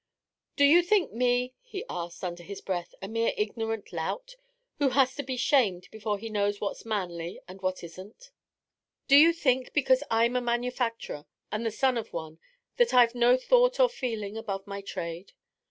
'Do you think me,' he asked, under his breath, 'a mere ignorant lout, who has to be shamed before he knows what's manly and what isn't? Do you think because I'm a manufacturer, and the son of one, that I've no thought or feeling above my trade?